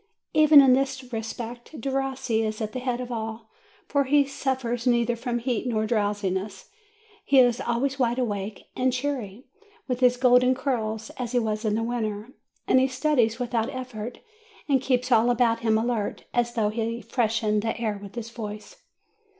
Even in this respect, Derossi is at the head of all, for he surfers neither from heat nor drowsiness; he is always wide awake, and cneery, with his golden curls, as he was in the winter, and he studies without effort, and keeps all about him alert, as though he freshened the air with his voice.